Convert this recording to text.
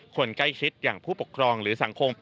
คนใกล้ชิดอย่างผู้ปกครองหรือสังคม